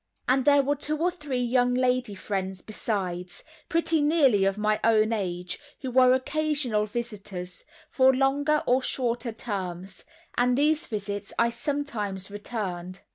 And there were two or three young lady friends besides, pretty nearly of my own age, who were occasional visitors, for longer or shorter terms; and these visits I sometimes returned.